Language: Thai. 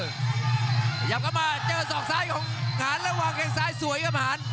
พยายามกลับมาเจอส่องซ้ายของหันระหว่างแค่งซ้ายสวยครับหัน